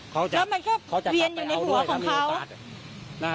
แล้วมันก็เวียนอยู่ในหัวของเขา